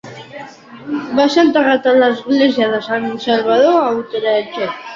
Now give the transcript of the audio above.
Va ser enterrat a l'església de Sant Salvador a Utrecht.